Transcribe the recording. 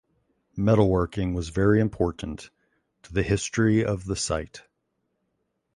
Metalworking was very important to the history of the site.